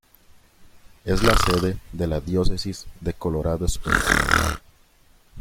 Es la sede de la Diócesis de Colorado Springs.